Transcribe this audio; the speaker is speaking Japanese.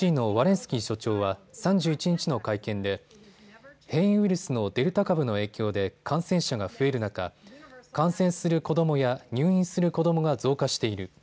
スキー所長は３１日の会見で変異ウイルスのデルタ株の影響で感染者が増える中、感染する子どもや入院する子どもが増加している。